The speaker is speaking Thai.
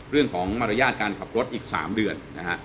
รึยองของมารยาทการขับรถอีก๓เดือน